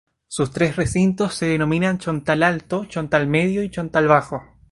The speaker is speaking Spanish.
Sus tres recintos se denominan Chontal alto, Chontal medio y Chontal bajo.